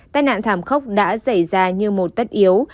tai nạn thảm khốc đã xảy ra như một tất yếu